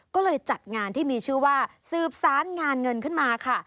ก็เลยจัดงานที่มีชื่อว่าสืบสารงานเงินขึ้นมาค่ะ